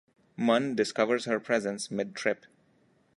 Munn discovers her presence mid-trip.